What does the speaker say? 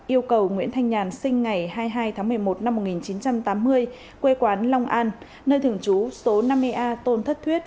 yêu cầu nguyễn thanh nhàn sinh ngày hai mươi hai tháng một mươi một năm một nghìn chín trăm tám mươi quê quán long an nơi thường trú số năm mươi a tôn thất thuyết